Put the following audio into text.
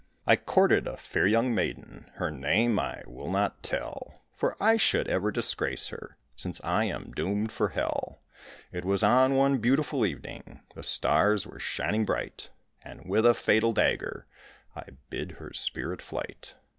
I courted a fair young maiden, Her name I will not tell, For I should ever disgrace her Since I am doomed for hell. It was on one beautiful evening, The stars were shining bright, And with a fatal dagger I bid her spirit flight.